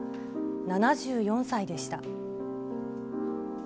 ７４歳でした。